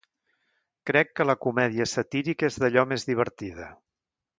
Crec que la comèdia satírica és d'allò més divertida.